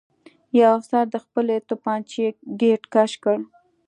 یوه افسر د خپلې توپانچې ګېټ کش کړ